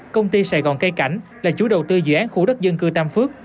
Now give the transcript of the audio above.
công ty sài gòn cây cảnh là chủ đầu tư dự án khu đất dân cư tam phước